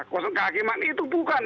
kuasa kehakiman itu bukan